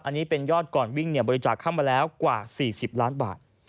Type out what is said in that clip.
อันนี้เป็นยอดก่อนวิ่งบริจาคเข้ามาแล้วกว่า๔๐ล้านบาท